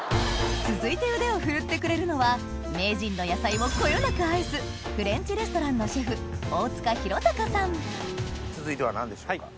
続いて腕を振るってくれるのは名人の野菜をこよなく愛すフレンチレストランのシェフ続いては何でしょうか？